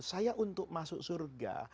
saya untuk masuk surga